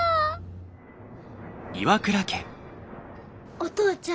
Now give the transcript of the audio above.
お父ちゃん。